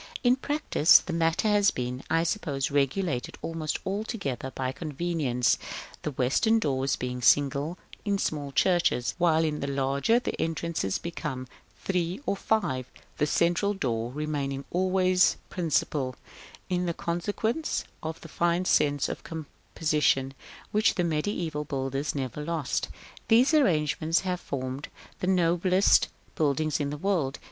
In practice the matter has been, I suppose, regulated almost altogether by convenience, the western doors being single in small churches, while in the larger the entrances become three or five, the central door remaining always principal, in consequence of the fine sense of composition which the mediæval builders never lost. These arrangements have formed the noblest buildings in the world.